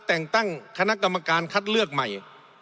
แต่งตั้งคณะกรรมการคัดเลือกใหม่